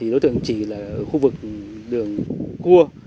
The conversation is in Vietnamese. đối tượng chỉ là khu vực đường cua